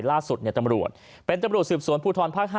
ล่าสุดตำรวจเป็นตำรวจสืบสวนภูทรภาค๕